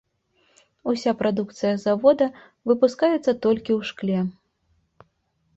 Уся прадукцыя завода выпускаецца толькі ў шкле.